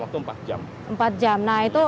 waktu empat jam empat jam nah itu